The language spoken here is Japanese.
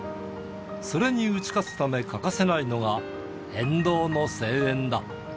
それに打ち勝つため欠かせないのが、沿道の声援だ。